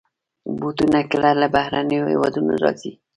بوټونه کله له بهرنيو هېوادونو راځي.